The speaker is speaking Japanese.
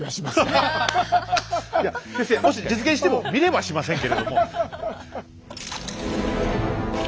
いや先生もし実現しても見れはしませんけれども。